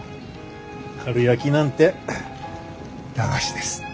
かるやきなんて駄菓子です。